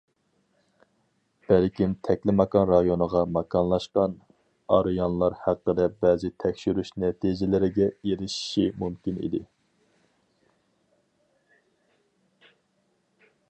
بەلكىم تەكلىماكان رايونىغا ماكانلاشقان ئارىيانلار ھەققىدە بەزى تەكشۈرۈش نەتىجىلىرىگە ئېرىشىشى مۇمكىن ئىدى.